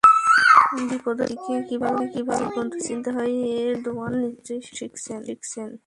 বিপদের দিনে কীভাবে বন্ধু চিনতে হয়, এরদোয়ান নিশ্চয়ই সেটা এখন শিখছেন।